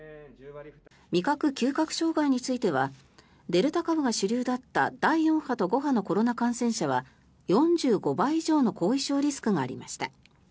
味覚・嗅覚障害についてはデルタ株が主流だった第４波と５波のコロナ感染者は４５倍以上の後遺症リスクがありました。